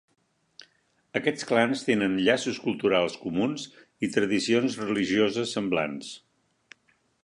Aquests clans tenen llaços culturals comuns i tradicions religioses semblants.